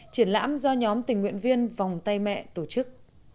triển lãm do nhóm tình nguyện viên vòng tay mẹ tổ chức